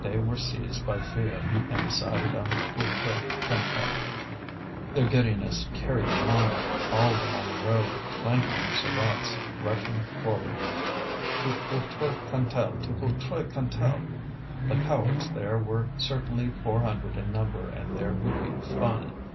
they were seized by fear and decided on Feutry Cantel. Their giddiness carried them on, all were on the road, clanking their sabots, rushing forward. To Feutry Cantel! to Feutry Cantel! The cowards there were certainly four hundred in number and there would be fun!